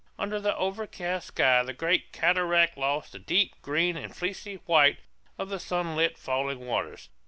Under the overcast sky the great cataract lost the deep green and fleecy white of the sunlit falling waters.